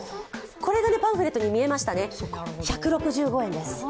これがパンフレットに見えましたね、１６５円です。